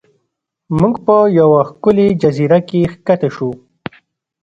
موږ په یوه ښکلې جزیره کې ښکته شو.